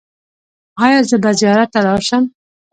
ایا زه به زیارت ته لاړ شم؟